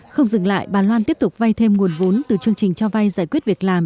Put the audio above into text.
không dừng lại bà loan tiếp tục vay thêm nguồn vốn từ chương trình cho vay giải quyết việc làm